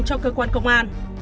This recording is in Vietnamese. cho cơ quan công an